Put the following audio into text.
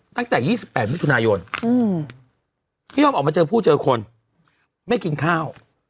ตั้งแต่๒๘มิถุนายนพี่อ้อมออกมาเจอผู้เจอคนไม่กินข้าว